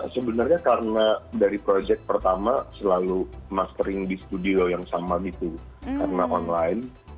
sebenarnya karena dari project pertama selalu mastering di studio yang sama gitu karena online